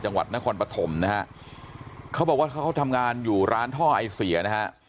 จังหวัดนครปฐมนะฮะเขาบอกว่าเขาเขาทำงานอยู่ร้านท่อไอเสียนะฮะ